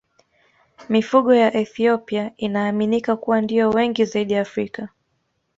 Mifugo ya Ethiopia inaaminika kuwa ndiyo wengi zaidi Afrika.